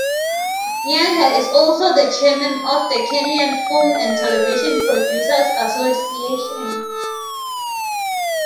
Nyanja is also the chairman of the Kenyan Film and Television Producers Association.